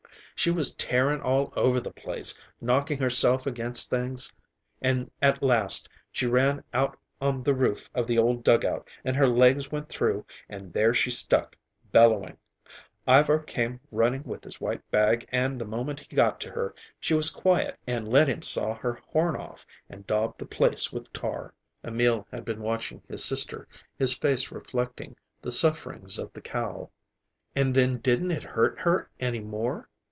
She was tearing all over the place, knocking herself against things. And at last she ran out on the roof of the old dugout and her legs went through and there she stuck, bellowing. Ivar came running with his white bag, and the moment he got to her she was quiet and let him saw her horn off and daub the place with tar." Emil had been watching his sister, his face reflecting the sufferings of the cow. "And then didn't it hurt her any more?"